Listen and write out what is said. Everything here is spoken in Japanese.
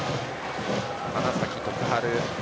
花咲徳栄。